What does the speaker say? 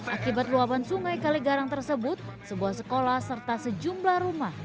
akibat luapan sungai kaligarang tersebut sebuah sekolah serta sejumlah rumah